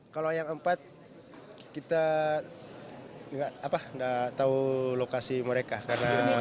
kalau yang empat kita nggak tahu lokasi mereka